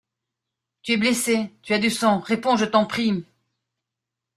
Tu es blessée, tu as du sang, réponds, je t’en prie!